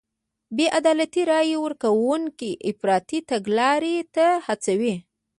بې عدالتۍ رای ورکوونکي افراطي تګلارو ته هڅوي.